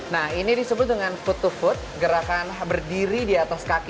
nah ini disebut dengan food to food gerakan berdiri di atas kaki